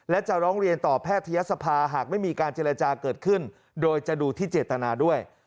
และจะร้องเรียนต่อแพทยศภาหากไม่มีการเจรจาเกิดขึ้นโดยจะดูที่เจตนาด้วย